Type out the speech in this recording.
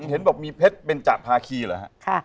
เห็นบอกมีเพชรเป็นจากภาคีหรอครับ